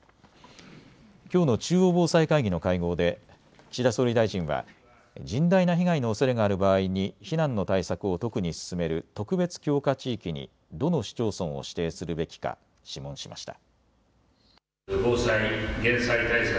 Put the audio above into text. きょうの中央防災会議の会合で岸田総理大臣は甚大な被害のおそれがある場合に避難の対策を特に進める特別強化地域にどの市町村を指定するべきか諮問しました。